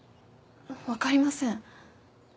分かりません。